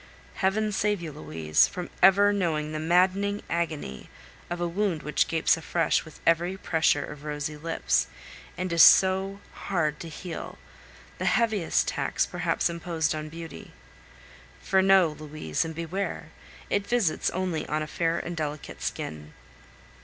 Heaven save you, Louise, from ever knowing the maddening agony of a wound which gapes afresh with every pressure of rosy lips, and is so hard to heal the heaviest tax perhaps imposed on beauty. For know, Louise, and beware! it visits only a fair and delicate skin.